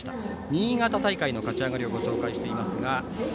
新潟大会の勝ち上がりをご紹介しています。